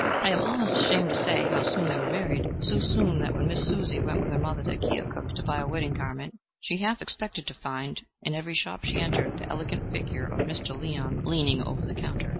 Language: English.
I am almost ashamed to say how soon they were married so soon that when Miss Susan went with her mother to Keokuk to buy a wedding garment, she half expected to find, in every shop she entered, the elegant figure of Mr. Leon leaning over the counter.